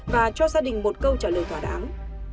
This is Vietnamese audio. và cho gia đình một câu trả lời thỏa đáng